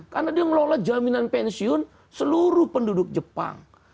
karena dia mengelola jaminan pensiun seluruh penduduk jepang